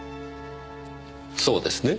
そうですね？